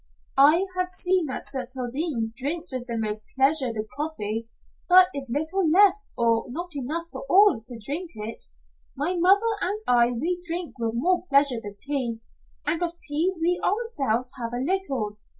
"I have seen that Sir Kildene drinks with most pleasure the coffee, but is little left or not enough for all to drink it. My mother and I we drink with more pleasure the tea, and of tea we ourselves have a little.